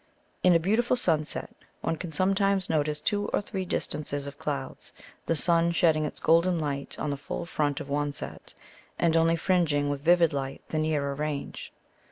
In a beautiful sunset one can sometimes notice two or three distances of clouds, the sun shedding its gold light on the full front of one set, and only fringing with vivid light the nearer range.